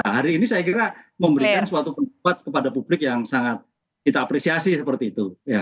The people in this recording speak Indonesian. hari ini saya kira memberikan suatu pendapat kepada publik yang sangat kita apresiasi seperti itu